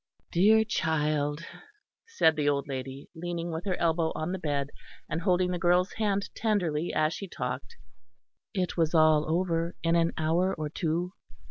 "Dear child," said the old lady, leaning with her elbow on the bed, and holding the girl's hand tenderly as she talked, "it was all over in an hour or two.